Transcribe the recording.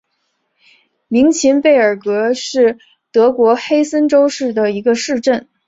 明岑贝尔格是德国黑森州的一个市镇。